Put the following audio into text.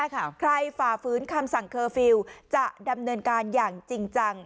ฝ่าฝืนคำสั่งเคอร์ฟิลล์จะดำเนินการอย่างจริงจัง